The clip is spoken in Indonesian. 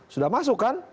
sudah masuk kan